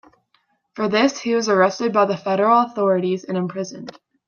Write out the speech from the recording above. For this he was arrested by the Federal authorities and imprisoned.